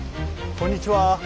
こんにちは。